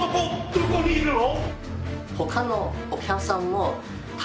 どこにいるの？